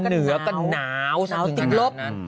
พอเหนือก็หนาวสักนึงขนาดนั้น